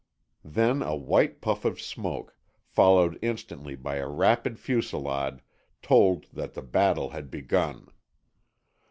Then a white puff of smoke, followed instantly by a rapid fusilade, told that the battle had begun.